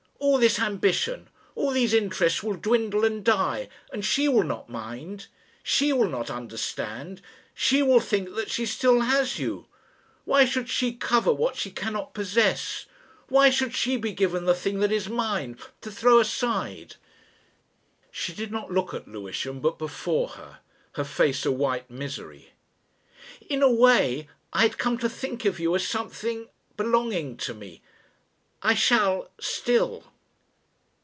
All this ambition, all these interests will dwindle and die, and she will not mind. She will not understand. She will think that she still has you. Why should she covet what she cannot possess? Why should she be given the thing that is mine to throw aside?" She did not look at Lewisham, but before her, her face a white misery. "In a way I had come to think of you as something, belonging to me ... I shall still."